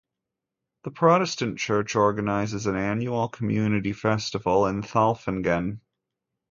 The Protestant church organizes an annual community festival in Thalfingen.